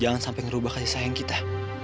jangan sampai merubah kasih sayang kita